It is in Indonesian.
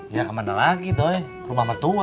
ya kemana lagi doi rumah metua